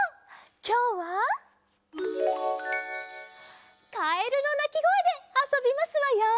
きょうはカエルのなきごえであそびますわよ。